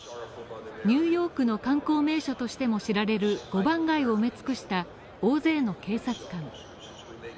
ニューヨークの観光名所としても知られる五番街を埋め尽くした、大勢の警察官。